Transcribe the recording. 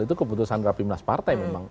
itu keputusan rafi minas partai memang